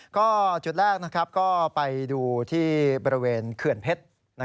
ก็จุดแรกก็ไปดูที่บริเวณเขื่อนเพชร